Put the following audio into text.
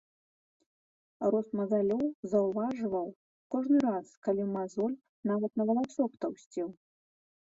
Рост мазалёў заўважваў кожны раз, калі мазоль нават на валасок таўсцеў.